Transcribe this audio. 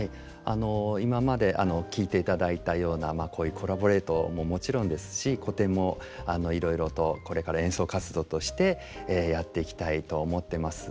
今まで聴いていただいたようなこういうコラボレートももちろんですし古典もいろいろとこれから演奏活動としてやっていきたいと思ってます。